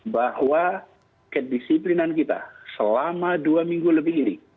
bahwa kedisiplinan kita selama dua minggu lebih ini